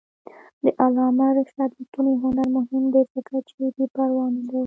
د علامه رشاد لیکنی هنر مهم دی ځکه چې بېپروا نه دی.